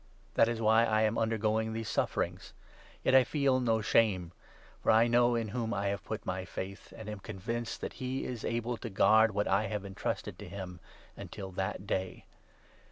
That is why I am undergoing these sufferings; 12 yet I feel no shame, for I know in whom I have put my faith, and am convinced that he is able to guard what I have entrusted to him until 'That Day.'